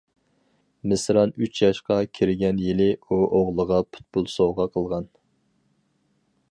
مىسران ئۈچ ياشقا كىرگەن يىلى ئۇ ئوغلىغا پۇتبول سوۋغا قىلغان.